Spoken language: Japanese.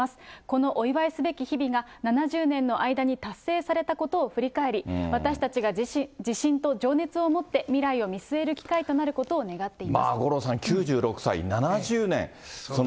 このお祝いすべき日々が、７０年の間に達成されたことを振り返り、私たちが自信と情熱をもって未来を見据える機会となることを願っ五郎さん、９６歳、７０年。